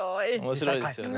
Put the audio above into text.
面白いですよね。